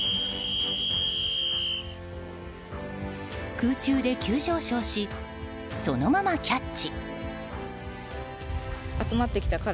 空中で急上昇しそのままキャッチ。